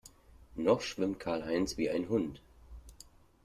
Noch schwimmt Karl-Heinz wie ein Hund.